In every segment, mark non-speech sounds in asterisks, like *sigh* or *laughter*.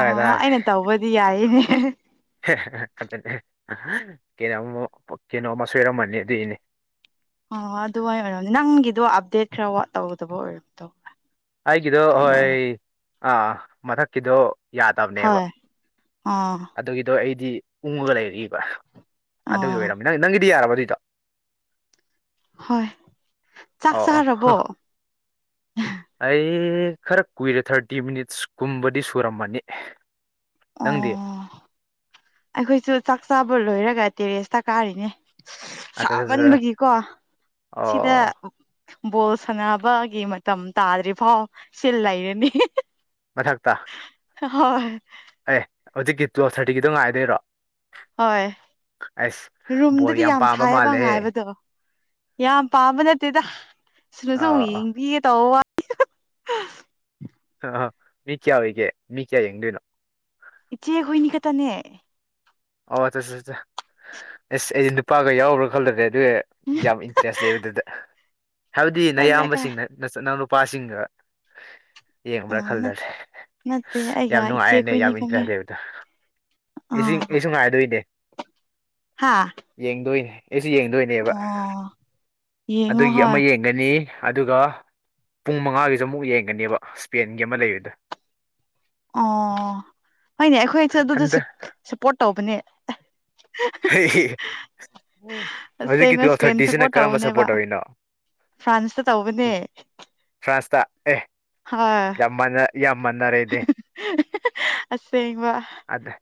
ꯑ ꯑꯩꯅ ꯇꯧꯕꯗꯤ ꯌꯥꯏꯅꯦ ꯍꯦꯍꯦꯍꯦ ꯀꯩꯅ ꯀꯩꯅꯣꯝꯃ ꯁꯣꯏꯔꯝꯃꯅꯤ ꯑꯗꯨꯏꯅꯦ *inaudible* ꯑꯣ ꯑꯗꯨꯃꯥꯏꯅ ꯑꯣꯏꯔꯝꯅꯦ ꯅꯪꯒꯤꯗꯣ ꯑꯞꯗꯦꯠ ꯈꯔ ꯇꯧꯗꯕ ꯑꯣꯏꯔꯝꯗꯣꯏꯕ ꯑꯩꯒꯤꯗꯣ ꯍꯣꯏ ꯑꯥ ꯃꯊꯛꯀꯤꯗꯣ ꯌꯥꯗꯕꯅꯦꯕ ꯍꯣꯏ ꯑꯣ ꯑꯗꯨꯒꯤꯗꯣ ꯑꯩꯗꯤ ꯎꯪꯉꯒ ꯂꯩꯔꯤꯕ ꯑꯗꯨꯒꯤ ꯑꯣ ꯑꯣꯏꯔꯝꯅꯤ ꯅꯪ ꯅꯪꯒꯤꯗꯤ ꯌꯥꯔꯕ ꯑꯗꯨꯏꯗꯣ ꯍꯣꯏ ꯆꯥꯛ ꯑꯣ ꯑꯣ ꯍ ꯆꯥꯔꯕꯣ ꯑꯩ ꯈꯔ ꯀꯨꯏꯔꯦ ꯊꯥꯔꯇꯤ ꯃꯤꯅꯤꯠꯁ ꯀꯨꯝꯕꯗꯤ ꯁꯨꯔꯝꯃꯅꯤ ꯅꯪꯗꯤ ꯑꯣ ꯑꯩꯈꯣꯏꯁꯨ ꯆꯥꯛ ꯆꯥꯕ ꯂꯣꯏꯔꯒ ꯇꯦꯔꯦꯁꯇ ꯀꯥꯔꯤꯅꯦ ꯑꯠꯇꯠ ꯁꯥꯃꯟꯕꯒꯤꯀꯣ ꯁꯤꯗ ꯑꯣ ꯕꯣꯜ ꯁꯥꯟꯅꯕꯒꯤ ꯃꯇꯝ ꯇꯥꯗ꯭ꯔꯤꯐꯥꯎ ꯁꯤ ꯂꯩꯔꯅꯤ ꯃꯊꯛ ꯇ ꯍꯣꯏ ꯑꯦ ꯍꯧꯖꯤꯛꯀꯤ ꯇꯋꯦꯜꯚ ꯊꯥꯔꯇꯤꯒꯤꯗꯣ ꯉꯥꯏꯗꯣꯏꯔꯣ ꯍꯣꯏ ꯑꯩꯁ ꯕꯣꯜ ꯔꯨꯝꯗꯗꯤ ꯌꯥꯝ ꯄꯥꯝꯕ ꯁꯥꯏꯌꯦꯕ ꯃꯥꯜꯂꯦꯍꯦ ꯉꯥꯏꯕꯗꯣ ꯌꯥꯝ ꯄꯥꯕ ꯅꯠꯇꯦꯗ ꯁꯤꯅꯁꯨ ꯑꯃꯨꯛ ꯑ ꯌꯦꯡꯕꯤꯒꯦ ꯇꯧꯕ ꯑ ꯃꯤ ꯀꯌꯥ ꯑꯣꯏꯒꯦ ꯃꯤ ꯀꯌꯥ ꯌꯦꯡꯗꯣꯏꯅꯣ ꯏꯆꯦ ꯍꯣꯏꯅꯤ ꯈꯛꯇꯅꯦ ꯑꯣꯗꯨꯁꯨ ꯆꯠ ꯆꯠ ꯏꯁ ꯑꯩꯗꯤ ꯅꯨꯄꯥꯒ ꯌꯥꯎꯕ꯭ꯔꯥ ꯈꯜꯂꯨꯔꯦ ꯑꯗꯨ ꯌꯥꯝ ꯏꯟꯇꯔꯦꯁ ꯂꯩꯕ ꯑꯗꯨꯗ ꯍꯥꯏꯕꯗꯤ ꯅꯠꯇꯅ ꯀꯥꯏ ꯑꯌꯥꯝꯕꯁꯤꯡꯅ ꯆꯠꯅꯕ ꯄꯥꯁꯤꯒꯥ ꯑ ꯌꯦꯡꯕ꯭ꯔꯥ ꯈꯜꯂꯦ ꯅꯠꯇꯦ ꯌꯥꯝ ꯑꯩꯒ ꯏꯆꯦ ꯅꯨꯡꯉꯥꯏꯅ ꯑꯩꯈꯣꯏꯅꯤ ꯌꯥꯝ ꯈꯪꯅꯦ ꯏꯟꯇꯔꯦꯁ ꯂꯩꯕꯗꯣ ꯏꯁꯤꯡ ꯑꯥ ꯑꯩꯁꯨ ꯉꯥꯏꯗꯣꯏꯅꯦ ꯍꯥ ꯌꯦꯡꯗꯣꯏꯅꯦ ꯑꯩꯁꯨ ꯌꯦꯡꯗꯣꯏꯅꯦꯕ ꯑꯣ ꯌꯦꯡꯉꯣ ꯑꯗꯨꯒꯤ ꯑꯃ ꯍꯣꯏ ꯌꯦꯡꯒꯅꯤ ꯑꯗꯨꯒ ꯄꯨꯡ ꯃꯉꯥꯒꯤꯗꯣ ꯑꯃꯨꯛ ꯌꯦꯡꯒꯅꯤꯕ ꯏꯁꯄꯦꯟꯒꯤ ꯑꯃ ꯂꯩꯕꯗꯣ ꯑꯣ ꯍꯣꯏꯅꯦ ꯑꯩꯈꯣꯏꯁꯨ ꯑꯗꯨꯗ ꯁꯄꯣꯔꯠ ꯇꯧꯕꯅꯦ ꯍꯩ ꯍꯧꯖꯤꯛꯀꯤ ꯑꯁꯦꯡꯕ ꯇꯨꯋꯦꯜꯚ ꯏꯁꯄꯦꯟ ꯊꯥꯔꯇꯤꯁꯤꯅ ꯁꯞꯄꯣꯔꯠ ꯀꯔꯝꯕ ꯇꯧꯕꯅꯦꯕ ꯁꯞꯄꯣꯔꯠ ꯇꯧꯔꯤꯅꯣ ꯐ꯭ꯔꯥꯟꯁꯇ ꯇꯧꯕꯅꯦ ꯐ꯭ꯔꯥꯟꯁꯇ ꯑꯦ ꯍꯣꯏ ꯌꯥꯝ ꯃꯅ ꯌꯥꯝ ꯃꯟꯅꯔꯦꯅꯦ ꯑꯁꯦꯡꯕ ꯈꯪꯗꯦ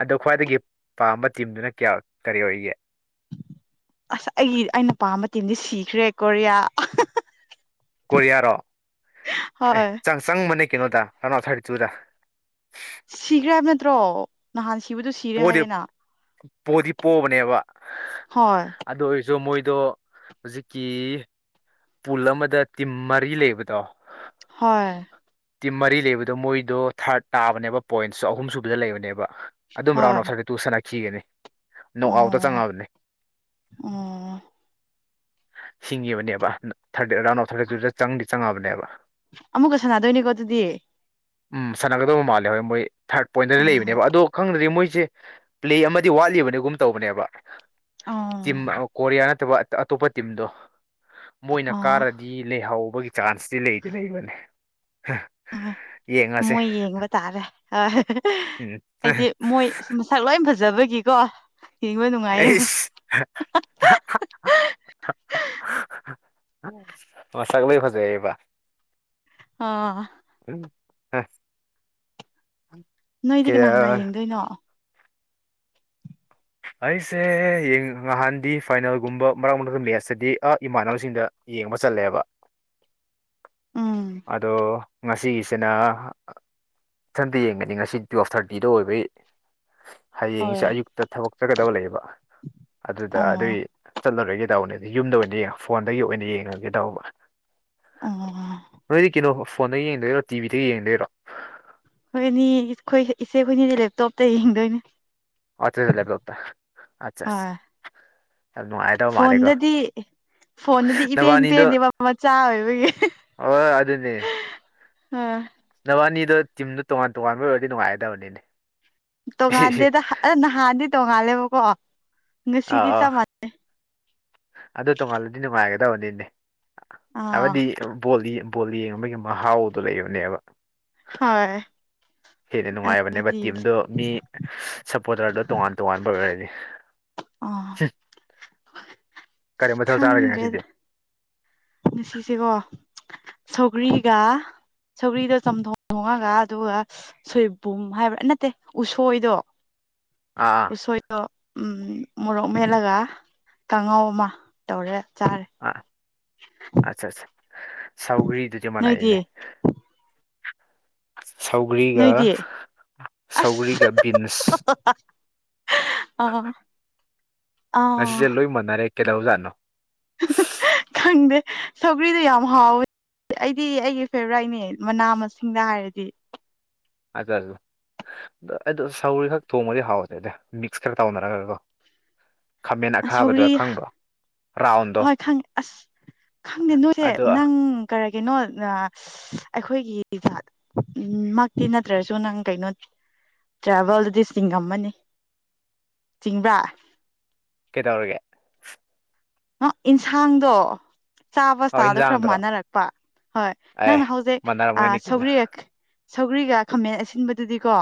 ꯑꯗꯣ ꯈ꯭ꯋꯥꯏꯗꯒꯤ ꯄꯥꯝꯕ ꯇꯤꯝꯗꯨꯅ ꯀꯌꯥ ꯀꯔꯤ ꯑꯣꯏꯒꯦ ꯑꯁ ꯑꯩꯒꯤ ꯑꯩꯅ ꯄꯥꯝꯕ ꯃꯇ ꯃꯇꯝꯗꯤ ꯁꯤꯈ꯭ꯔꯦ ꯀꯣꯔꯤꯌꯥ ꯀꯣꯔꯤꯌꯥꯔꯣ ꯑꯦ ꯍꯣꯏ ꯆꯪ ꯆꯪꯕꯅꯦ ꯀꯩꯅꯣꯗ ꯑꯔꯥꯎꯟ ꯊꯥꯔꯇ ꯇꯨꯗ ꯁꯤꯈ꯭ꯔꯦ ꯍꯥꯏꯕ ꯅꯠꯇ꯭ꯔꯣ ꯅꯍꯥꯟ ꯁꯤꯕꯗꯣ ꯁꯤꯔꯦ ꯄꯣꯗꯤ ꯍꯥꯏꯌꯦꯅ ꯄꯣꯗꯤ ꯄꯣꯕꯅꯦꯕ ꯍꯣꯏ ꯁꯣ ꯃꯣꯏꯗꯣ ꯍꯧꯖꯤꯛꯀꯤ ꯄꯨꯜ ꯑꯃꯗ ꯇꯤꯝ ꯃꯔꯤ ꯂꯩꯕꯗꯣ ꯍꯣꯏ ꯇꯤꯝ ꯃꯔꯤ ꯂꯩꯕꯗꯣ ꯃꯣꯏꯗꯣ ꯊꯥꯔꯠ ꯇꯥꯕꯅꯦꯕ ꯄꯣꯏꯟꯁ ꯑꯍꯨꯝ ꯁꯨꯕꯗ ꯂꯩꯕꯅꯦꯕ ꯑꯗꯨꯝ ꯔꯥꯎꯟ ꯍꯣꯏ ꯑꯥꯎꯠꯁꯥꯏꯗꯠꯇ ꯇꯨ ꯁꯥꯟꯅꯈꯤꯒꯅꯤ ꯅꯣꯛ ꯑꯥꯎꯇ ꯑꯣ ꯆꯪꯉꯛꯑꯕꯅꯦ ꯑꯣ ꯁꯤꯡꯉꯤꯕꯅꯦꯕ ꯊꯥꯔꯇꯤ ꯑꯔꯥꯎꯟ ꯑꯐ ꯊꯥꯔꯇꯤ ꯇꯨꯗ ꯆꯪꯗꯤ ꯆꯪꯉꯕꯅꯦꯕ ꯑꯃꯨꯛꯀ ꯁꯥꯟꯅꯗꯣꯏꯅꯦꯀꯣ ꯑꯗꯨꯗꯤ ꯎꯝ ꯁꯥꯟꯅꯒꯗꯕ ꯃꯥꯜꯂꯦ ꯍꯣꯏ ꯃꯣꯏ ꯊꯥꯔꯠ ꯄꯣꯏꯟꯗꯗꯤ ꯑꯣ ꯂꯩꯕꯅꯦꯕ ꯑꯗꯣ ꯈꯪꯗ꯭ꯔꯗꯤ ꯃꯣꯏ ꯁꯦ ꯄ꯭ꯂꯦ ꯑꯃꯗꯤ ꯋꯥꯠꯂꯤꯕꯅꯤꯒꯨꯝ ꯇꯧꯕꯅꯦꯕ ꯑꯣ ꯇꯤꯝ ꯀꯣꯔꯤꯌꯥ ꯅꯠꯇꯕ ꯑꯇꯣꯞꯄ ꯇꯤꯝꯗꯣ ꯃꯣꯏꯅ ꯑꯣ ꯀꯥꯔꯗꯤ ꯂꯩꯍꯥꯎꯕꯒꯤ ꯆꯥꯟꯁꯇꯤ ꯂꯩꯗꯤ ꯂꯩꯕꯅꯦ ꯍꯣꯏ ꯌꯦꯡꯉꯁꯦ ꯃꯣꯏ ꯌꯦꯡꯕ ꯇꯥꯔꯦ ꯍꯣꯏ ꯎꯝ ꯍꯥꯏꯗꯤ ꯃꯣꯏ ꯃꯁꯛ ꯂꯣꯏ ꯐꯖ ꯖꯕ ꯒꯤꯀꯣ ꯑꯩꯁ ꯃꯁꯛ ꯂꯣꯏ ꯐꯖꯩꯌꯦꯕ ꯑꯥ ꯍꯥꯥ ꯅꯣꯏꯗꯤ ꯀꯅꯥ ꯀꯅꯥ ꯌꯦꯡꯗꯣꯏꯅꯣ ꯑꯩꯁꯦ ꯅꯍꯥꯟꯗꯤ ꯐꯥꯏꯅꯦꯜꯒꯨꯝꯕ ꯃꯔꯛ ꯃꯔꯛꯇ ꯃꯦꯠꯁꯇꯗꯤ ꯑ ꯏꯃꯥꯟꯅꯕꯁꯤꯡꯗ ꯌꯦꯡꯕ ꯆꯠꯂꯦꯕ ꯎꯝ ꯑꯗꯣ ꯉꯁꯤꯒꯤꯁꯤꯅ ꯏꯊꯟꯗ ꯌꯦꯡꯒꯅꯤ ꯉꯁꯤ ꯇꯨꯌꯦꯜꯐ ꯊꯥꯔꯇꯤꯗ ꯑꯣꯏꯕꯩ ꯍꯌꯦꯡꯁꯦ ꯍꯣꯏ ꯑꯌꯨꯛꯇ ꯊꯕꯛ ꯆꯠꯀꯗꯕ ꯂꯩꯌꯦꯕ ꯑꯗꯨꯗ ꯑꯣ ꯑꯗꯨꯒꯤ ꯆꯠꯂꯔꯣꯏꯒꯦ ꯇꯧꯕꯅꯦꯗ ꯌꯨꯝꯗ ꯑꯣꯏꯅ ꯌꯦꯡꯉ ꯐꯣꯟꯗꯒꯤ ꯑꯣꯏꯅ ꯌꯦꯡꯉꯒꯦ ꯇꯧꯕ ꯑꯣ ꯑꯩꯈꯣꯏꯅꯤ ꯅꯣꯏꯗꯤ ꯀꯩꯅꯣ ꯐꯣꯟꯗ ꯌꯦꯡꯗꯣꯏꯔꯣ ꯇꯤꯚꯤꯗ ꯌꯦꯡꯗꯣꯏꯔꯣ ꯈꯣꯏꯅꯤ ꯈꯣꯏ ꯏꯆꯦꯈꯣꯏꯅꯤꯗꯤ ꯂꯦꯞꯇꯣꯞꯇ ꯌꯦꯡꯗꯣꯏꯅꯦ ꯂꯦꯞꯇꯣꯞꯇ ꯑꯆꯥ ꯍꯣꯏ ꯐꯣꯟꯗꯗꯤ ꯐꯣꯟꯗꯗꯤ ꯏꯄꯦꯟ ꯅꯕꯥꯅꯤꯗꯣ ꯄꯦꯟꯗꯦꯕ ꯃꯆꯥ ꯑꯣꯏꯕꯒꯤ ꯍꯣꯏ ꯑꯗꯨꯅꯦ ꯑ ꯑꯅꯤꯗꯣ ꯇꯤꯝꯗꯣ ꯇꯣꯉꯥꯟ ꯇꯣꯉꯥꯟꯕ ꯑꯣꯏꯔꯗꯤ ꯅꯨꯡꯉꯥꯏꯒꯗꯕꯅꯤꯅꯦ ꯇꯣꯡꯉꯥꯟꯗꯦꯗ ꯑ ꯅꯍꯥꯟꯗꯤ ꯇꯣꯡꯉꯥꯜꯂꯦꯕꯀꯣ ꯑꯥ ꯉꯁꯤꯗꯤ ꯑꯥ ꯆꯞ ꯃꯥꯟꯅꯩ ꯑꯗꯨ ꯇꯣꯉꯜꯂꯗꯤ ꯅꯨꯡꯉꯥꯏꯒꯗꯕꯅꯤꯅꯦ ꯑꯥ ꯍꯥꯏꯕꯗꯤ ꯕꯣꯜꯗꯤ ꯕꯣꯜ ꯌꯦꯡꯕꯒꯤ ꯃꯍꯥꯎꯗꯣ ꯂꯩꯕꯅꯦꯕ ꯍꯣꯏ *inaudible* ꯍꯦꯟꯅ ꯅꯨꯡꯉꯥꯏꯕꯅꯦꯕ ꯑꯗꯨꯗꯤ ꯇꯤꯝꯗꯣ ꯃꯤ ꯁꯞꯄꯣꯔꯇꯔꯗꯣ ꯇꯣꯉꯥꯟ ꯇꯣꯉꯥꯟꯕ ꯑꯣꯏꯔꯗꯤ ꯑ ꯀꯔꯤ ꯃꯊꯦꯜ ꯆꯥꯔꯒꯦ ꯉꯁꯤꯗꯤ ꯉꯁꯤꯁꯦꯀꯣ ꯁꯧꯒ꯭ꯔꯤꯒ ꯁꯧꯒ꯭ꯔꯤꯗꯣ ꯆꯝꯊꯣꯡ ꯊꯣꯡꯉꯒ ꯑꯗꯨꯒ ꯁꯣꯏꯕꯨꯝ ꯍꯥꯏꯕ꯭ꯔꯥ ꯅꯠꯇꯦ ꯎꯁꯣꯏꯗꯣ ꯑꯥ ꯑꯥ ꯎꯁꯣꯏꯗꯣ ꯎꯝ ꯃꯣꯔꯣꯛ ꯃꯦꯠꯂꯒ ꯀꯥꯡꯉꯧ ꯑꯃ ꯇꯧꯔꯦ ꯆꯥꯔꯦ ꯑꯥ ꯑꯠꯆꯥ ꯑꯠꯆꯥ ꯁꯥꯎꯒ꯭ꯔꯤꯗꯨꯗꯤ ꯅꯣꯏꯗꯤ ꯃꯅꯥꯏꯅꯦ ꯁꯧꯒ꯭ꯔꯤꯒ ꯅꯣꯏꯗꯤ ꯑꯁ ꯁꯧꯒ꯭ꯔꯤꯒ ꯕꯤꯟꯁ ꯑꯥ ꯉꯁꯤꯁꯦ ꯂꯣꯏ ꯃꯥꯟꯅꯔꯦ ꯀꯩꯗꯧꯖꯥꯠꯅꯣ ꯈꯪꯗꯦ ꯁꯧꯒ꯭ꯔꯤꯗꯣ ꯌꯥꯝ ꯍꯥꯎꯋꯦ ꯑꯩꯗꯤ ꯑꯩꯒꯤ ꯐꯦꯚꯣꯔꯥꯏꯠꯅꯦ ꯃꯅꯥ ꯃꯁꯤꯡꯗ ꯍꯥꯏꯔꯗꯤ ꯑꯗ ꯑꯗ ꯑꯩꯗꯣ ꯁꯧꯒ꯭ꯔꯤ ꯈꯛ ꯊꯣꯡꯕꯗꯤ ꯍꯥꯎꯇꯦꯗ ꯃꯤꯛꯁ ꯈꯔ ꯇꯧꯅꯔꯒꯀꯣ ꯈꯥꯃꯦꯟ ꯑꯈꯥꯕꯗꯣ ꯁꯧꯒ꯭ꯔꯤ ꯈꯪꯕ꯭ꯔꯣ ꯔꯥꯎꯟꯗꯣ ꯍꯣꯏ ꯈꯪ ꯑꯁ ꯈꯪꯗꯦ ꯅꯣꯏꯁꯦ ꯑꯗꯣ ꯅꯪ ꯀꯩꯅꯣ ꯑꯩꯈꯣꯏꯒꯤ ꯖꯥꯠ ꯃꯛꯇꯤ ꯅꯠꯇ꯭ꯔꯁꯨ ꯅꯪ ꯀꯩꯅꯣ ꯇ꯭ꯔꯥꯚꯦꯜꯗꯗꯤ ꯆꯤꯡꯉꯝꯃꯅꯤ ꯆꯤꯡꯕ꯭ꯔꯥ ꯀꯩꯗꯧꯔꯒꯦ ꯅ ꯏꯟꯁꯥꯡꯗꯣ ꯍꯥꯎ ꯆꯥꯕꯁꯇꯥꯏꯜꯗꯣ ꯈꯔ ꯍꯤꯟꯖꯥꯡꯗꯨꯔꯣ ꯃꯥꯟꯅꯔꯛꯄ ꯍꯣꯏ ꯑꯦ ꯅꯪꯅ ꯍꯧꯖꯤꯛ ꯃꯥꯟꯅꯔꯝꯒꯅꯤ ꯀꯩꯅꯣ ꯁꯧꯒ꯭ꯔꯤ ꯁꯧꯒ꯭ꯔꯤꯒ ꯈꯥꯃꯦꯟ ꯑꯁꯤꯟꯕꯗꯨꯗꯤꯀꯣ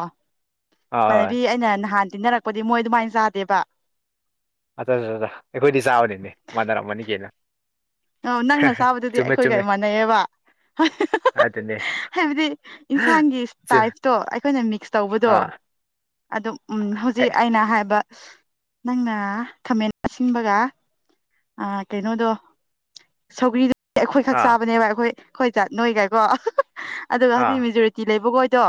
ꯍꯣꯏ ꯍꯣꯏ ꯏꯃꯅꯕꯤ ꯑꯩꯅ ꯅꯍꯥꯟ ꯇꯤꯟꯅꯔꯛꯄꯗꯤ ꯃꯣꯏ ꯑꯗꯨꯃꯥꯏꯅ ꯆꯥꯗꯦꯕ ꯑꯩꯈꯣꯏꯗꯤ ꯆꯥꯕꯅꯤꯅꯦ ꯃꯥꯟꯅꯔꯝꯃꯅꯤ ꯀꯩꯅꯣ ꯑ ꯅꯪꯅ ꯆꯥꯕꯗꯨꯗꯤ ꯆꯨꯝꯃꯦ ꯑꯩꯈꯣꯏꯒ ꯆꯨꯝꯃꯦ ꯃꯥꯟꯅꯩꯑꯌꯦꯕ ꯑꯗꯨꯅꯦ ꯍꯥꯏꯕꯗꯤ ꯌꯦꯟꯁꯥꯡꯒꯤ ꯆꯨ ꯇꯥꯏꯞꯇꯣ ꯑꯩꯈꯣꯏꯅ ꯃꯤꯛꯁ ꯇꯧꯕꯗꯣ ꯑꯥ ꯑꯗꯨꯝ ꯎꯝ ꯑꯦ ꯍꯧꯖꯤꯛ ꯑꯩꯅ ꯍꯥꯏꯕ ꯑꯁ ꯅꯪꯅ ꯈꯥꯃꯦꯟ ꯑꯁꯤꯟꯕꯒ ꯀꯩꯅꯣꯗꯣ ꯁꯧꯒ꯭ꯔꯤꯗ ꯑꯩꯈꯣꯏ ꯈꯛ ꯑꯥ ꯆꯥꯕꯅꯦꯕ ꯑꯩꯈꯣꯏꯒ ꯑꯣꯏ ꯅꯣꯏꯒꯥꯏꯒꯀꯣ ꯑꯗꯨꯒ ꯍꯧꯖꯤꯛ ꯑꯥ ꯃꯦꯖꯣꯔꯤꯇꯤ ꯂꯩꯕꯈꯣꯏꯗꯣ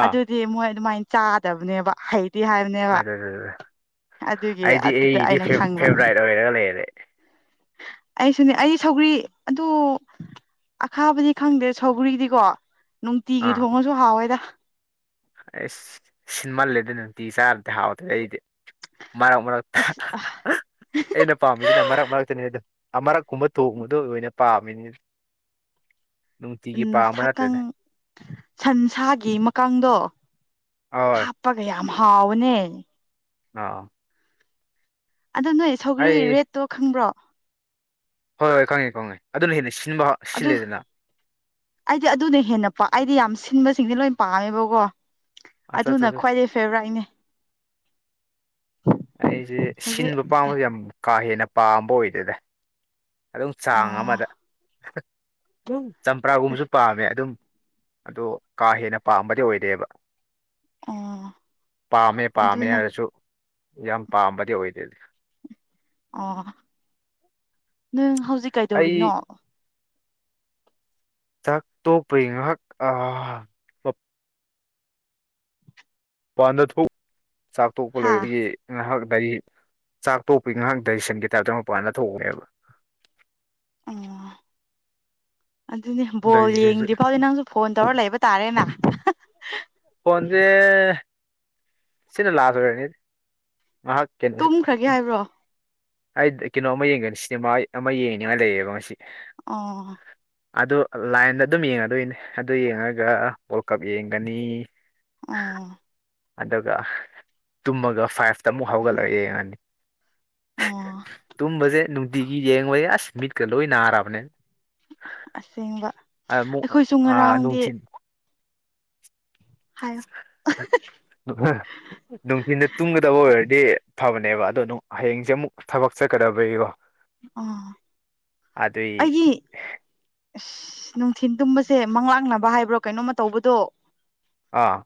ꯑꯥ ꯑꯗꯨꯗꯤ ꯃꯣꯏ ꯑꯗꯨꯃꯥꯏꯅ ꯆꯥꯗꯕꯅꯦꯕ ꯍꯩꯇꯤ ꯍꯥꯏꯕꯅꯦꯕ ꯑꯗꯨ ꯑꯗꯨꯒꯤ ꯑꯩꯗꯤ ꯑꯗꯨꯗ ꯑꯩꯗꯤ ꯑꯩꯅ ꯐꯦꯚ ꯈꯪꯕ ꯐꯦꯚꯣꯔꯥꯏꯠ ꯑꯣꯏꯔꯒ ꯂꯩꯔꯦ ꯑꯩꯁꯨꯅꯦ ꯑꯩ ꯁꯧꯒꯔꯤ ꯑꯗꯨ ꯑꯈꯥꯕꯗꯤ ꯈꯪꯗꯦ ꯁꯒ꯭ꯔꯤꯗꯤꯀꯣ ꯅꯨꯡꯇꯤꯒꯤ ꯊꯣꯡꯉꯁꯨ ꯍꯥꯎꯋꯦꯗ ꯑꯩꯁ ꯁꯤꯟꯃꯜꯂꯦꯗ ꯅꯨꯡꯇꯤ ꯆꯥꯔꯗꯤ ꯍꯥꯎꯗ꯭ꯔꯦ ꯑꯩꯗꯤ ꯃꯔꯛ ꯃꯔꯛꯇ ꯑꯁ ꯑꯩꯅ ꯄꯥꯝꯃꯤꯁꯤꯅ ꯃꯔꯛ ꯃꯔꯛꯇꯅꯤ ꯑꯗꯣ ꯑꯃꯔꯛꯀꯨꯝꯕ ꯊꯣꯡꯕꯗꯣ ꯑꯣꯏꯅ ꯄꯥꯝꯃꯤꯅꯤ ꯅꯨꯡꯇꯤꯒꯤ ꯎꯝ ꯄꯥꯝꯕ ꯁꯥꯀꯪ ꯅꯠꯇꯦꯗ ꯁꯟꯁꯥꯒꯤ ꯃꯀꯥꯟꯗꯣ ꯑꯍꯣꯏ ꯍꯥꯞꯄꯒ ꯌꯥꯝꯃ ꯍꯥꯎꯕꯅꯦ ꯑꯥ ꯑꯗꯣ ꯅꯣꯏ ꯁꯧꯒ꯭ꯔꯤ ꯑꯩ ꯔꯦꯠꯇꯣ ꯈꯪꯕ꯭ꯔꯣ ꯍꯣꯏ ꯍꯣꯏ ꯈꯪꯉꯦ ꯈꯪꯉꯦ ꯑꯗꯨꯅ ꯍꯦꯅꯤ ꯑꯗꯨ ꯑꯩꯗꯤ ꯑꯗꯨꯅ ꯍꯦꯟꯅ ꯄ ꯑꯩꯗꯤ ꯌꯥꯝ ꯁꯤꯟꯕꯁꯤꯡꯗꯤ ꯂꯣꯏ ꯄꯥꯝꯃꯦꯕꯀꯣ ꯑꯠꯆꯥ ꯑꯠꯆꯥ ꯑꯗꯨꯅ ꯑꯠꯆꯥ ꯈ꯭ꯋꯥꯏꯗꯩ ꯐꯦꯚꯔꯥꯏꯠꯅꯦ ꯑꯩꯁꯦ ꯍꯧꯖꯤꯛ ꯁꯤꯟꯕ ꯄꯥꯝꯕꯁꯦ ꯌꯥꯝ ꯀꯥ ꯍꯦꯟꯅ ꯄꯥꯝꯕ ꯑꯣꯏꯗꯦꯗꯥ ꯑꯗꯨꯝ ꯆꯥꯡ ꯑꯣ ꯑꯃꯗ ꯎꯝ ꯆꯝꯄ꯭ꯔꯥꯒꯨꯝꯕꯁꯨ ꯄꯥꯝꯃꯦ ꯑꯗꯨꯝ ꯑꯗꯨ ꯀꯥ ꯍꯦꯟꯅ ꯄꯥꯝꯕꯗꯤ ꯑꯣꯏꯗꯦꯕ ꯑꯣ ꯄꯥꯝꯃꯦ ꯄꯥꯝꯃꯦ ꯑꯗꯨꯅ ꯍꯥꯏꯔꯁꯨ ꯌꯥꯝ ꯄꯥꯝꯕꯗꯤ ꯑꯣꯏꯗꯦꯗꯤ ꯑꯣ ꯅꯪ ꯍꯧꯖꯤꯛ ꯑꯩ ꯀꯩꯗꯧꯔꯤꯅꯣ ꯆꯥꯛ ꯇꯣꯛꯄꯩ ꯉꯍꯥꯛ ꯃꯄꯥꯟꯗ ꯊꯣꯛ ꯆꯥꯛ ꯇꯣꯛꯄ ꯍꯥ ꯂꯣꯏꯕꯒꯤ ꯅꯍꯥꯛ ꯒꯥꯔꯤ ꯆꯥꯛ ꯇꯣꯛꯄꯒꯤ ꯉꯥꯏꯍꯥꯛ ꯗꯥꯔꯤꯁꯟꯒꯤ ꯇꯥꯏꯞꯇ ꯃꯄꯥꯟꯗ ꯊꯣꯛꯎꯅꯦꯕ ꯑꯣ ꯑꯗꯨꯅꯦ ꯕꯣꯜ ꯗꯥꯏꯖꯦꯁꯟꯁꯦ ꯌꯦꯡꯗ꯭ꯔꯤ ꯐꯥꯎꯗꯤ ꯅꯪꯁꯨ ꯐꯣꯟ ꯇꯧꯔ ꯂꯩꯕ ꯇꯔꯦꯅ ꯐꯣꯟꯖꯦ ꯁꯤꯅ ꯂꯥꯁ ꯑꯣꯏꯔꯅꯤ ꯉꯍꯥꯛ ꯇꯨꯝꯈ꯭ꯔꯒꯦ ꯍꯥꯏꯕ꯭ꯔꯣ ꯑꯩ ꯀꯩꯅꯣ ꯑꯃ ꯌꯦꯡꯒꯅꯤ ꯁꯤꯅꯦꯃꯥ ꯑꯃ ꯌꯦꯡꯤꯅꯤꯉꯥꯏ ꯂꯩꯌꯦꯕ ꯉꯁꯤ ꯑꯣ ꯑꯗꯨ ꯂꯥꯏꯟꯗ ꯑꯗꯨꯝ ꯌꯦꯡꯉꯗꯣꯏꯅꯦ ꯑꯗꯨ ꯌꯦꯡꯉꯒ ꯋꯥꯔꯜ ꯀꯞ ꯌꯦꯡꯒꯅꯤ ꯑꯣ ꯑꯗꯨꯒ ꯇꯨꯝꯃꯒ ꯐꯥꯏꯚꯇ ꯑꯃꯨꯛ ꯍꯧꯒꯠꯂꯛꯑꯣ ꯌꯦꯡꯉꯅꯤ ꯑꯣ ꯇꯨꯝꯕꯁꯦ ꯅꯨꯡꯇꯤꯒꯤ ꯌꯦꯡꯕ ꯑꯁ ꯃꯤꯠꯀ ꯂꯣꯏ ꯅꯥꯔꯕꯅꯦ ꯑꯁꯦꯡꯕ ꯨꯑꯃꯨꯛ ꯑꯩꯈꯣꯏꯁꯨ ꯑ ꯉꯔꯥꯡꯗꯤ ꯅꯨꯡꯊꯤꯟ ꯍꯥꯏꯌꯣ ꯅꯨꯡꯊꯤꯟꯗ ꯇꯨꯝꯒꯗꯕ ꯑꯣꯏꯔꯗꯤ ꯐꯕꯅꯦꯕ ꯑꯗꯣ ꯍꯌꯦꯡꯁꯦ ꯑꯃꯨꯛ ꯊꯕꯛ ꯆꯠꯀꯗꯕꯩꯀꯣ ꯑ ꯑꯗꯨꯏ ꯑꯩꯒꯤ ꯑꯁ ꯅꯨꯡꯊꯤꯟ ꯇꯨꯝꯕꯁꯦ ꯃꯪꯂꯥꯛꯅꯕ ꯍꯥꯏꯕ꯭ꯔꯣ ꯀꯩꯅꯣꯃ ꯇꯧꯕꯗꯣ ꯑꯥ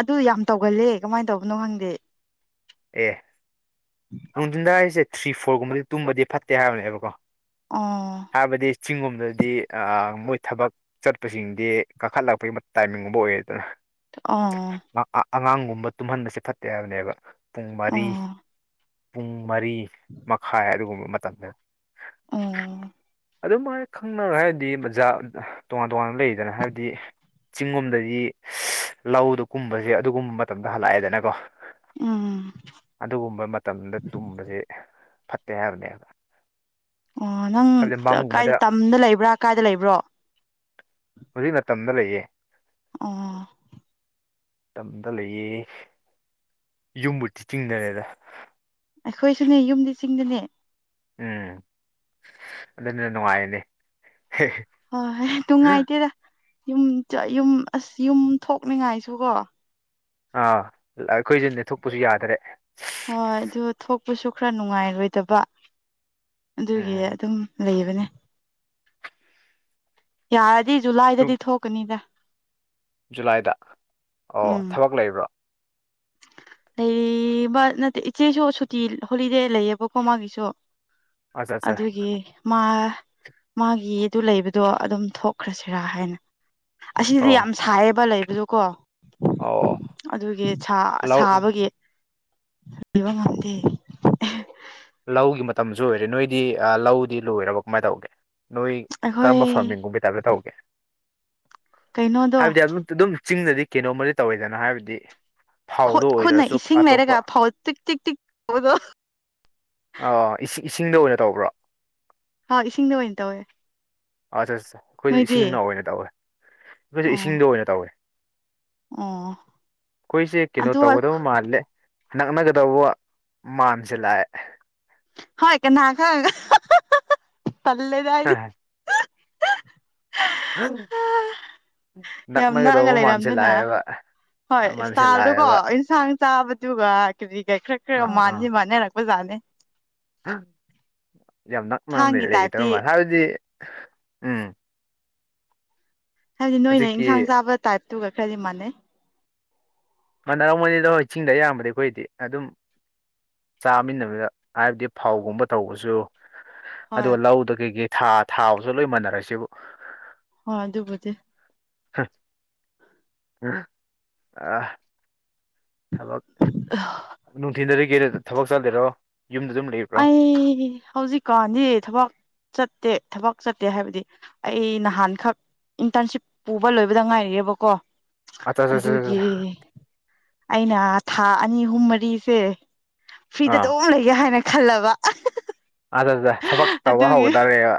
ꯑꯗꯨ ꯌꯥꯝ ꯇꯧꯒꯜꯂꯦ ꯀꯃꯥꯏꯅ ꯇꯧꯕꯅꯣ ꯈꯪꯗꯦ ꯑꯦ ꯅꯨꯡꯊꯤꯟꯗ ꯍꯥꯏꯔꯤꯁꯦ ꯊ꯭ꯔꯤ ꯐꯣꯔꯒꯨꯝꯕꯗꯤ ꯇꯨꯝꯕꯗꯤ ꯐꯠꯇꯦ ꯍꯥꯏꯕꯅꯦꯕꯀꯣ ꯑꯣ ꯆꯤꯡꯒꯣꯝꯗꯗꯤ ꯃꯣꯏ ꯊꯕꯛ ꯆꯠꯄꯁꯤꯡꯗꯤ ꯀꯥꯈꯠꯂꯛꯄꯒꯤ ꯇꯥꯏꯃꯤꯡꯒꯨꯝꯕ ꯑꯣꯏꯌꯦ ꯑꯗꯨꯅ ꯑꯣ ꯑꯉꯥꯡꯒꯨꯝꯕ ꯇꯨꯝꯍꯟꯕꯁꯦ ꯐꯠꯇꯦ ꯍꯥꯏꯕꯅꯦꯕ ꯄꯨꯡ ꯃꯔꯤ ꯑꯣ ꯄꯨꯡ ꯃꯔꯤ ꯃꯈꯥꯏ ꯑꯗꯨꯒꯨꯝꯕ ꯃꯇꯝꯗ ꯑꯣ ꯑꯗꯨꯝꯥꯏꯅ ꯈꯪꯅꯔ ꯍꯥꯏꯔꯗꯤ ꯃꯖꯥ ꯇꯣꯉꯥꯟ ꯇꯣꯉꯥꯟꯅ ꯂꯩꯗꯅ ꯍꯥꯏꯕꯗꯤ ꯆꯤꯡꯒꯣꯝꯗꯗꯤ ꯂꯧꯗ ꯀꯨꯝꯕꯁꯦ ꯑꯗꯨꯒꯨꯝꯕ ꯃꯇꯝꯗ ꯍꯜꯂꯛꯑꯦꯗꯅꯀꯣ ꯎꯝ ꯑꯗꯨꯒꯨꯝꯕ ꯃꯇꯝꯗ ꯇꯨꯝꯕꯁꯦ ꯐꯠꯇꯦ ꯍꯥꯏꯕꯅꯦꯕ ꯑꯣ ꯅꯪ ꯍꯥꯏꯕꯗꯤ ꯃꯪꯒꯨꯝꯕꯗ ꯀꯥꯏꯗ ꯇꯝꯗ ꯂꯩꯕ꯭ꯔꯥ ꯀꯥꯏꯗ ꯂꯩꯕ꯭ꯔꯣ ꯍꯧꯖꯤꯛꯅ ꯇꯝꯗ ꯂꯩꯌꯦ ꯑꯣ ꯇꯝꯗ ꯂꯩꯌꯦ ꯌꯨꯝꯕꯨꯗꯤ ꯆꯤꯡꯗ ꯂꯩꯌꯦꯗ ꯑꯈꯣꯏꯁꯨꯅꯦ ꯌꯨꯝꯗꯤ ꯆꯤꯡꯗꯅꯦ ꯑꯥ ꯑꯗꯨꯅ ꯅꯨꯡꯉꯥꯏꯕꯅꯤ ꯍꯣꯏ ꯅꯨꯡ ꯉꯥꯏꯇꯦꯗ ꯌꯨꯝ ꯌ ꯑꯁ ꯌꯨꯝ ꯊꯣꯛꯅꯤꯡꯉꯥꯏꯁꯨꯀꯣ ꯑꯥ ꯑꯈꯣꯏꯁꯨꯅꯦ ꯊꯣꯛꯄꯁꯨ ꯌꯥꯗ꯭ꯔꯦ ꯆꯠꯄꯁꯨ ꯈꯔ ꯅꯨꯡꯉꯥꯏꯔꯣꯏꯗꯕ ꯑꯗꯨꯒꯤ ꯎꯝ ꯑꯗꯨꯝ ꯂꯩꯕꯅꯦ ꯌꯥꯔꯗꯤ ꯖꯨ- ꯖꯨꯂꯥꯏꯗꯗꯤ ꯊꯣꯛꯀꯅꯤꯗ ꯖꯨꯂꯥꯏꯗ ꯑꯣ ꯎꯝ ꯊꯕꯛ ꯂꯩꯕ꯭ꯔꯣ ꯂꯩꯕ ꯅꯠꯇꯦ ꯏꯆꯦꯁꯨ ꯁꯨꯇꯤ ꯍꯣꯂꯤꯗꯦ ꯂꯩꯌꯦꯕꯀꯣ ꯃꯥꯒꯤꯁꯨ ꯑꯠꯆꯥ ꯑꯠꯆꯥ ꯑꯗꯨꯒꯤ ꯃꯥ ꯃꯥꯒꯤꯗꯨ ꯂꯩꯕꯗꯣ ꯑꯗꯨꯝ ꯊꯣꯛꯈ꯭ꯔꯁꯤꯔꯥ ꯍꯥꯏꯅ ꯑꯁꯤꯗꯤ ꯑꯣ ꯌꯥꯝ ꯁꯥꯏꯌꯦꯕ ꯂꯩꯕꯗꯣꯀꯣ ꯑꯣ ꯑꯗꯨꯒꯤ ꯁꯥ ꯂꯧ ꯁꯥꯕꯒꯤ ꯂꯩꯕ ꯉꯝꯗꯦ ꯂꯧꯒꯤ ꯃꯇꯝꯁꯨ ꯑꯣꯏꯔꯦ ꯅꯣꯏꯗꯤ ꯂꯧꯗꯤ ꯂꯣꯏꯔꯕ ꯀꯃꯥꯏꯅ ꯇꯧꯒꯦ ꯅꯣꯏ ꯑꯩꯈꯣꯏ ꯀꯔꯝꯕ ꯐꯥꯔꯃꯤꯡꯒꯨꯝꯕꯩ ꯇꯥꯏꯞꯇ ꯇꯧꯒꯦ ꯀꯩꯅꯣꯗꯣ ꯍꯥꯏꯕꯗꯤ ꯑꯗꯨꯝ ꯗꯨꯝ ꯆꯤꯡꯗꯗꯤ ꯀꯩꯅꯣꯝꯃꯗꯤ ꯇꯧꯋꯤꯗꯅ ꯍꯥꯏꯕꯗꯤ ꯐꯧꯗꯣ ꯈꯨꯠ ꯈꯨꯠꯅ ꯑꯣꯏꯗ꯭ꯔꯁꯨ ꯏꯁꯤꯡ ꯑꯇꯣꯞꯄ ꯂꯩꯔꯒ ꯐꯧ ꯇꯤꯛ ꯇꯤꯛ ꯇꯤꯛ ꯑꯣꯏꯕ꯭ꯔꯣ ꯑꯥ ꯏꯁꯤꯡꯗ ꯑꯣꯏꯅ ꯇꯧꯕ꯭ꯔꯥ ꯍꯣꯏ ꯏꯁꯤꯡꯗ ꯑꯣꯏꯅ ꯇꯧꯋꯦ ꯑ ꯑ ꯑꯈꯣꯏꯁꯨ ꯅꯣꯏꯗꯤ ꯏꯁꯤꯡꯅ ꯑꯣꯏꯅ ꯇꯧꯋꯦ ꯑꯈꯣꯏꯁꯨ ꯑꯣ ꯏꯁꯤꯡꯗ ꯑꯣꯏꯅ ꯇꯧꯋꯦ ꯑꯣ ꯑꯈꯣꯏꯁꯦ ꯀꯩꯅꯣ ꯑꯗꯨ ꯇꯧꯒꯗꯕ ꯃꯥꯜꯂꯦ ꯅꯛꯅꯒꯗꯧꯕ ꯃꯥꯟꯁꯤꯜ ꯂꯥꯛꯑꯦ ꯍꯣꯏ ꯀꯅꯥ ꯈꯪ ꯇꯜꯂꯦꯗ ꯑꯩꯗꯤ *inaudible* ꯌꯥꯝ ꯅꯛꯑꯒ ꯅꯛꯅꯒꯗꯧꯕ ꯂꯩꯔꯝꯗꯅ ꯃꯥꯟꯁꯤꯜꯂꯛꯑꯦꯕ ꯍꯣꯏ ꯏꯁꯇꯥꯜꯗꯨꯀꯣ ꯃꯥꯟꯁꯤꯜꯂꯛꯑꯦꯕ ꯌꯦꯟꯁꯥꯡ ꯆꯥꯕꯗꯨꯒ ꯀꯔꯤ ꯀꯔꯤ ꯈꯥꯔ ꯈꯥꯔꯒ ꯃꯥꯟꯗꯤ ꯑꯥ ꯃꯥꯟꯅꯔꯛꯄꯖꯥꯠꯅꯦ ꯌꯥꯝ ꯅꯛꯅ ꯏꯟꯁꯥꯡꯒꯤ ꯂꯩꯒꯗꯕ ꯇꯥꯏꯞꯇꯤ ꯃꯥꯂꯦ ꯍꯥꯏꯕꯗꯤ ꯎꯝ ꯍꯥꯏꯕꯗꯤ ꯅꯣꯏꯅ ꯏꯟꯁꯥꯡ ꯍꯧꯖꯤꯛꯀꯤ ꯆꯥꯕ ꯇꯥꯏꯞꯇꯨꯒ ꯈꯔꯗꯤ ꯃꯥꯟꯅꯩ ꯃꯥꯟꯅꯔꯝꯒꯅꯤꯗ ꯍꯣꯏ ꯆꯤꯡꯗ ꯑꯌꯥꯝꯕꯗꯤ ꯑꯈꯣꯏꯗꯤ ꯑꯗꯨꯝ ꯆꯥꯃꯤꯟꯅꯕꯗ ꯍꯥꯏꯕꯗꯤ ꯐꯧꯒꯨꯝꯕ ꯇꯧꯕꯁꯨ ꯍꯣꯏ ꯑꯗꯨꯒ ꯂꯧꯗ ꯀꯩꯀꯩ ꯊꯥ ꯊꯥꯕꯁꯨ ꯂꯣꯏ ꯃꯟꯅꯔꯁꯤꯕꯨ ꯍꯣꯏ ꯑꯗꯨꯕꯨꯗꯤ ꯍꯪ ꯑꯥ ꯊꯕꯛ ꯅꯨꯡꯊꯤꯟꯗꯗꯤ ꯀꯩꯗꯧ ꯊꯕꯛ ꯆꯠꯂꯤꯔꯣ ꯌꯨꯝꯗ ꯑꯗꯨꯝ ꯂꯩꯕ꯭ꯔꯣ ꯑꯩ ꯍꯧꯖꯤꯛꯀꯥꯟꯗꯤ ꯊꯕꯛ ꯆꯠꯇꯦ ꯊꯕꯛ ꯆꯠꯇꯦ ꯍꯥꯏꯕꯗꯤ ꯑꯩ ꯅꯍꯥꯟꯈꯛ ꯏꯟꯇꯔꯟꯁꯤꯞ ꯄꯨꯕ ꯂꯣꯏꯕꯗ ꯉꯥꯏꯔꯤꯌꯦꯕꯀꯣ ꯑꯆꯥ ꯆꯥ ꯆꯥ ꯆꯥ ꯑꯩꯅ ꯊꯥ ꯑꯅꯤ ꯑꯍꯨꯝ ꯃꯔꯤꯁꯦ ꯐ꯭ꯔꯤꯗ ꯑꯥ ꯑꯗꯨꯝ ꯂꯩꯒꯦ ꯍꯥꯏꯅ ꯈꯜꯂꯕ ꯑꯗꯨꯗ ꯊꯕꯛ ꯇꯧꯕ ꯑꯗꯨꯒꯤ ꯍꯧꯒꯗꯧꯔꯦꯕ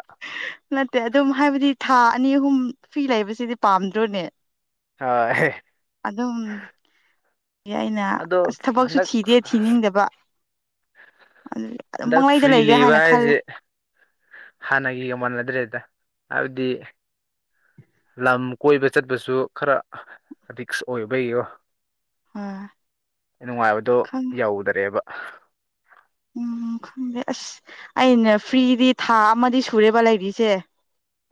ꯅꯠꯇꯦ ꯑꯗꯨꯝ ꯍꯥꯏꯕꯗꯤ ꯊꯥ ꯑꯅꯤ ꯑꯍꯨꯝ ꯐꯔꯤ ꯂꯩꯕꯁꯤꯗꯤ ꯄꯥꯝꯗ꯭ꯔꯣꯅꯦ ꯍꯣꯏ ꯑꯗꯨꯒꯤ ꯑꯩꯅ ꯑꯗꯣ ꯑꯁ ꯊꯕꯛꯁꯨ ꯍꯟꯗꯛ ꯊꯤꯗꯦ ꯊꯤꯅꯤꯡꯗꯕ ꯑꯗꯨ ꯑꯗꯨꯝ ꯍꯟꯗꯛ ꯄꯪꯂꯩꯗ ꯐ꯭ꯔꯤ ꯂꯩꯒꯦ ꯂꯩꯕ ꯍꯥꯏꯅ ꯈꯜꯂꯦ ꯍꯥꯏꯁꯦ ꯍꯥꯟꯅꯒꯤꯒ ꯃꯥꯟꯅꯗ꯭ꯔꯦꯗ ꯍꯥꯏꯕꯗꯤ ꯂꯝ ꯀꯣꯏꯕ ꯆꯠꯄꯁꯨ ꯈꯥꯔ ꯔꯤꯛꯁ ꯑꯣꯏꯕꯒꯤꯀꯣ ꯑ ꯅꯨꯡꯉꯥꯏꯕꯗꯣ ꯈꯪ ꯌꯧꯗꯔꯦꯕ ꯎꯝ ꯈꯪꯗꯦ ꯑꯁ ꯑꯩꯅ ꯐ꯭ꯔꯤꯗꯤ ꯊꯥ ꯑꯃꯗꯤ ꯁꯨꯔꯦꯕ ꯂꯩꯔꯤꯁꯦ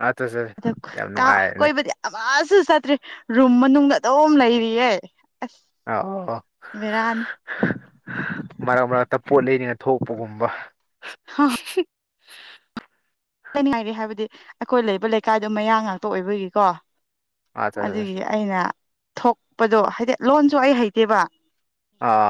ꯑꯠꯆꯥ ꯆꯥ ꯑꯗꯨ ꯌꯥꯝ ꯇꯥꯎ ꯅꯨꯡꯉꯥꯏꯔꯅꯤ ꯀꯣꯏꯕꯗꯤ ꯑꯃ ꯁꯨ ꯆꯠꯇ꯭ꯔꯤ ꯔꯨꯝ ꯃꯅꯨꯡꯗ ꯑꯗꯨꯝ ꯂꯩꯔꯤꯌꯦ ꯑꯁ ꯑ ꯑꯣ ꯑꯣ ꯕꯦꯔꯥꯅꯤ ꯃꯔꯛ ꯃꯔꯛ ꯇ ꯄꯣꯠ ꯂꯩꯅꯤꯅ ꯊꯣꯛꯄꯒꯨꯝꯕ ꯀꯅꯤ ꯍꯥꯏꯕꯗꯤ ꯑꯈꯣꯏ ꯂꯩꯕ ꯂꯩꯀꯥꯏꯗꯣ ꯃꯌꯥꯡ ꯉꯥꯛꯇ ꯑꯣꯏꯕꯒꯤꯀꯣ ꯑ ꯑꯗꯨꯒꯤ ꯑꯩꯅ ꯊꯣꯛꯄꯗꯣ ꯍꯥꯏꯗꯤ ꯂꯣꯟꯁꯨ ꯑꯩ ꯍꯩꯇꯦꯕ ꯑꯥ